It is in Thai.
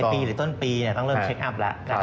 ตอนปีต้องเริ่มเช็คอับแล้วครับ